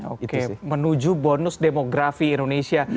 oke menuju bonus demografi indonesia